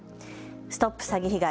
ＳＴＯＰ詐欺被害！